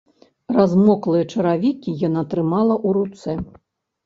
Размоклыя чаравікі яна трымала ў руцэ.